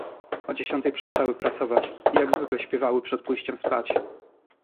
"O dziesiątej przestały pracować i jak zwykle śpiewały przed pójściem spać."